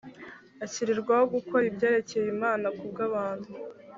ashyirirwaho gukora ibyerekeye imana ku bw abantu